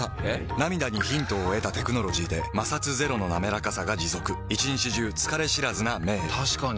涙にヒントを得たテクノロジーで摩擦ゼロのなめらかさが持続一日中疲れ知らずな目へ確かに。